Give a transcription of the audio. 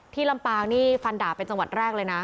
ที่ลำบางฟันด่าเป็นจังหวัดแรกเลยนะ